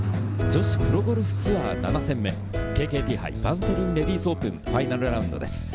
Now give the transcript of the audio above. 女子プロゴルフツアー７戦目、ＫＫＴ杯バンテリンレディスオープンファイナルラウンドです。